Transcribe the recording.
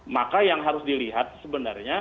maka yang harus dilihat sebenarnya